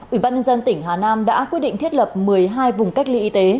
ủy ban nhân dân tỉnh hà nam đã quyết định thiết lập một mươi hai vùng cách ly y tế